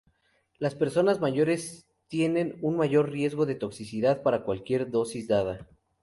Las personas mayores tienen un mayor riesgo de toxicidad para cualquier dosis dada.